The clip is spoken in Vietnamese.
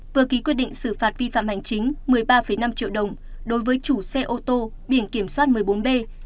vừa ký quyết định xử phạt vi phạm hành chính một mươi ba năm triệu đồng đối với chủ xe ô tô biển kiểm soát một mươi bốn b bốn nghìn hai trăm bảy mươi tám